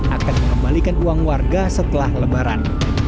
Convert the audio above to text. akan mengembalikan uang warga setelah lebaran